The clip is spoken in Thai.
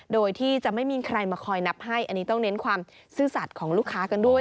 โดยที่จะไม่มีใครมาคอยนับให้อันนี้ต้องเน้นความซื่อสัตว์ของลูกค้ากันด้วย